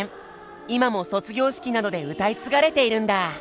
今も卒業式などで歌い継がれているんだ！